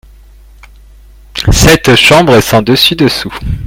Cette chambre est sens dessus dessous.